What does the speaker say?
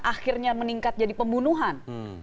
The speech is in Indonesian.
akhirnya meningkat jadi pembunuhan